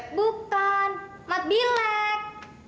bukan mat bilek